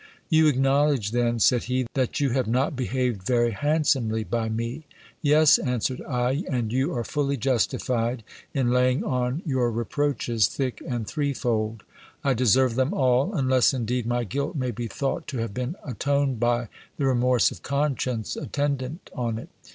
You acknowledge then, said he, that you have not behaved very handsomely by me ? Yes, answered I ; and you are fully justified in laying on your reproaches thick and threefold : I deserve them all, unless indeed my guilt may be thought to have been atoned by the remorse of conscience attendant on it.